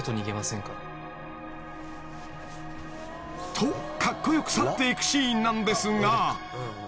［とカッコ良く去っていくシーンなんですが］